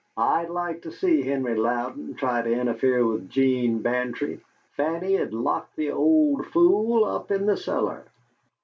"I'd like to see Henry Louden try to interfere with 'Gene Bantry. Fanny'd lock the old fool up in the cellar."